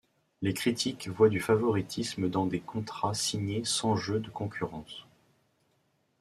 Les critiques voient du favoritisme dans des contrats signés sans jeu de concurrence.